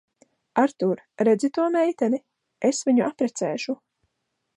Artūr, redzi to meiteni? Es viņu apprecēšu.